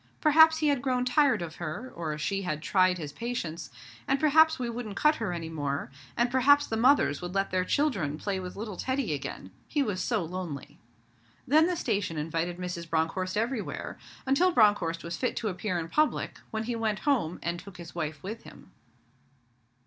Perhaps he had grown tired of her, or she had tried his patience, and perhaps we wouldn't cut her any more, and perhaps the mothers would let their children play with 'little Teddy' again. He was so lonely. Then the station invited Mrs. Bronckhorst everywhere, until Bronckhorst was fit to appear in public, when he went Home and took his wife with him.